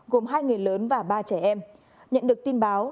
gồm hai người lớn và ba trẻ em nhận được tin báo